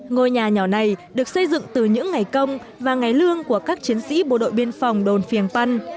ngôi nhà nhỏ này được xây dựng từ những ngày công và ngày lương của các chiến sĩ bộ đội biên phòng đồn phiền păn